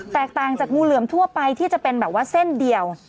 แตกต่างจากงูเหลือมทั่วไปที่จะเป็นแบบว่าเส้นเดียว